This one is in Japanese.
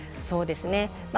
そうですね。